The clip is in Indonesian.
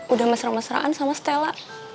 udah mesra mesraan sama stella